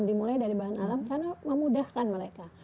dimulai dari bahan alam karena memudahkan mereka